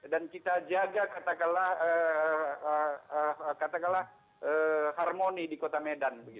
dan kita jaga katakanlah harmoni di kota medan